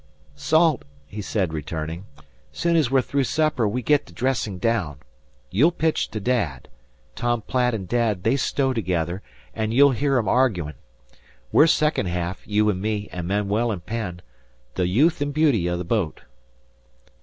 "Salt," he said, returning. "Soon as we're through supper we git to dressing down. You'll pitch to Dad. Tom Platt an' Dad they stow together, an' you'll hear 'em arguin'. We're second ha'af, you an' me an' Manuel an' Penn the youth an' beauty o' the boat."